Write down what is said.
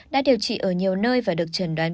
đã điều trị ở nhiều nơi và được trần đoán